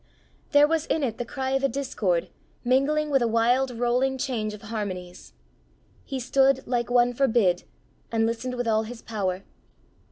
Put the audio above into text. There was in it the cry of a discord, mingling with a wild rolling change of harmonies. He stood "like one forbid," and listened with all his power.